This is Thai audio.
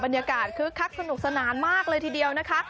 บรรยากาศคือคักสนุกสนานมากเลยทีเดียวนะคะ